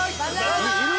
いる？